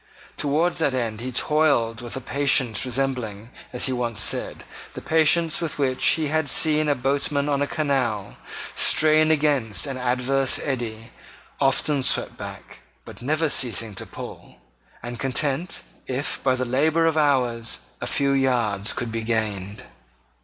Towards that end he toiled with a patience resembling, as he once said, the patience with which he had seen a boatman on a canal, strain against an adverse eddy, often swept back, but never ceasing to pull, and content if, by the labour of hours, a few yards could be gained.